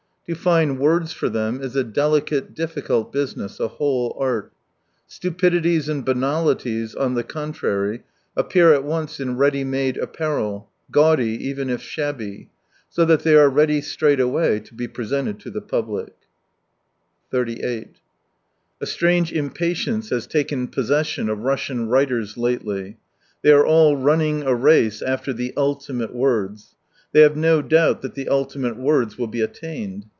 To find words for them is a delicate, difiicult business, a whole art. Stupidities and banalities, on the con trary, appear at once in ready made apparel, gaudy even if shabby. So that they are ready straight away to be presented to the public. A strange impatience has taken possession of Russian writers lately. They are all running a race after the " ultimate words." Thfey have no doubt that the ultimate words will be attained.